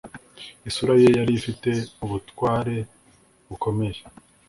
Isura ye yari ifite ubutware bukomeye